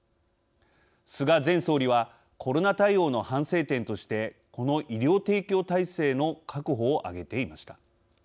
菅前総理はコロナ対応の反省点としてこの医療提供体制の確保を挙げていました。